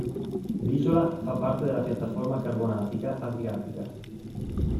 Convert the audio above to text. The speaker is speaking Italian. L'isola fa parte della piattaforma carbonatica adriatica.